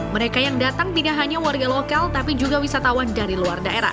mereka yang datang tidak hanya warga lokal tapi juga wisatawan dari luar daerah